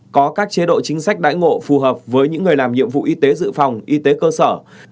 có các chế độ chính sách đãi ngộ phù hợp với những người làm nhiệm vụ y tế dự phòng y tế cơ sở